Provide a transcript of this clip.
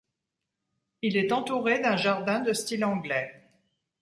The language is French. Il est entouré d'un jardin de style anglais.